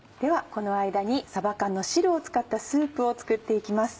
この間にさば缶の汁を使ったスープを作っていきます。